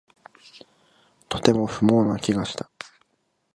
とても不毛な気がした